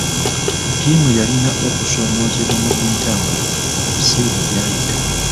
Ttiimu yalina okusoomoozebwa mu byentambula mu biseera ebyayita.